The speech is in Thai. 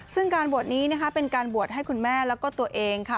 ซึ่งการบวชนี้นะคะเป็นการบวชให้คุณแม่แล้วก็ตัวเองค่ะ